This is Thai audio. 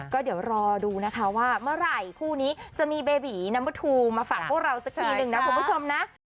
ก็เดี๋ยวรอดูนะคะว่าเมื่อไหร่คู่นี้จะมีเบบีนัมเบอร์ทูมาฝากพวกเราสักทีหนึ่งนะคุณผู้ชมนะ